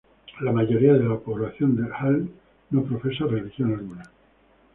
La mayoría de la población de Halle no profesa religión alguna.